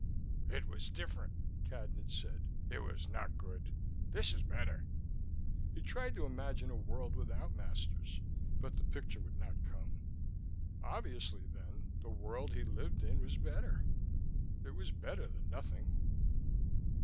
"It was different," Cadnan said. "It was not good. This is better." He tried to imagine a world without masters, but the picture would not come. Obviously, then, the world he lived in was better: it was better than nothing.